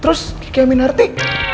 terus kiki aminarti